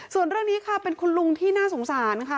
ส่วนเรื่องนี้ค่ะเป็นคุณลุงที่น่าสงสารค่ะ